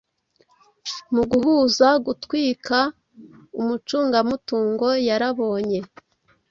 Muguhuza gutwika Umucungamutungo yarabonye